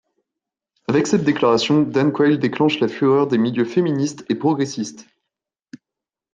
Avec cette déclaration, Dan Quayle déclenche la fureur des milieux féministes et progressistes.